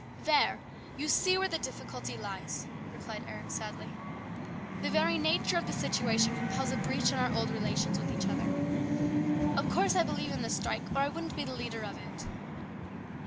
" There ! You see where the difficulty lies," replied Eric sadly. " The very nature of the situation compels a breach in our old relations with each other. Of course I believe in the strike or I wouldn't be the leader of it."